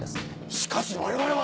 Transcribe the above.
しかし我々は。